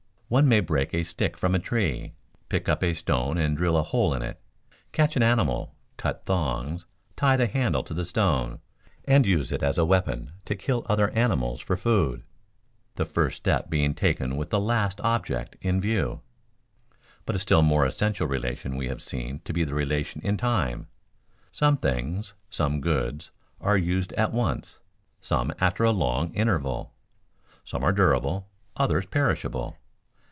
One may break a stick from a tree, pick up a stone and drill a hole in it, catch an animal, cut thongs, tie the handle to the stone, and use it as a weapon to kill other animals for food, the first step being taken with the last object in view. But a still more essential relation we have seen to be the relation in time. Some things, some goods, are used at once, some after a long interval; some are durable, others perishable.